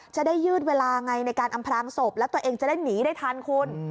ยืดเวลาไงในการอำพลางศพแล้วตัวเองจะได้หนีได้ทันคุณ